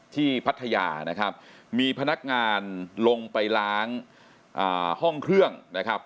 พัทยานะครับมีพนักงานลงไปล้างห้องเครื่องนะครับ